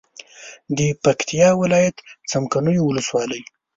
د پکتیا ولایت څمکنیو ولسوالي